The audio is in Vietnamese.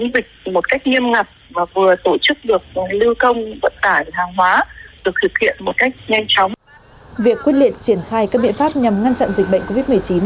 việc quyết liệt triển khai các biện pháp nhằm ngăn chặn dịch bệnh covid một mươi chín